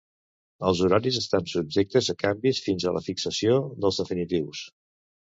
Els horaris estan subjectes a canvis fins a la fixació dels definitius.